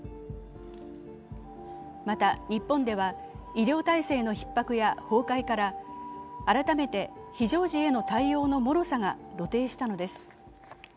また、日本では医療体制のひっ迫や崩壊から改めて非常時への対応のもろさが露呈したのです。